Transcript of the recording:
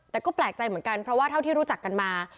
แต่ก็แปลกใจเหมือนกันเพราะว่าเท่าที่รู้จักกันมา